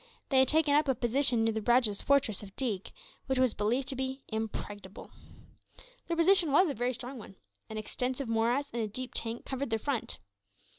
They had taken up a position near the rajah's fortress of Deeg, which was believed to be impregnable. Their position was a very strong one. An extensive morass and a deep tank covered their front.